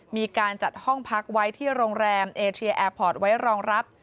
มีการจัดห้องพักไว้ที่โรงแรมเอเทียแอร์พอร์ตไว้รองรับ